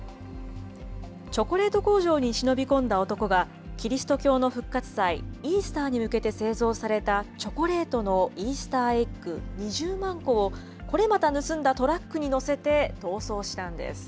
チョコレート工場に忍び込んだ男が、キリスト教の復活祭、イースターに向けて製造されたチョコレートのイースターエッグ２０万個を、これまた盗んだトラックに載せて逃走したんです。